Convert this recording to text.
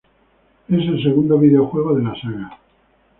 Es el segundo videojuego de la saga.